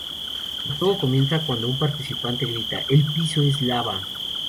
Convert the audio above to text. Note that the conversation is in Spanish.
El juego comienza cuando un participante grita:"el piso es lava!".